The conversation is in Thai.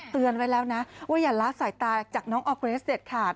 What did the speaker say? เตือนไว้แล้วนะว่าอย่าละสายตาจากน้องออร์เกรสเด็ดขาด